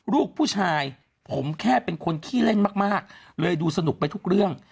ลูกผู้ชายผมแค่เป็นคนขี้เล่นมากเลยดูสนุกไปทุกเรื่อง